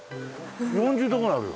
４０度ぐらいあるよ。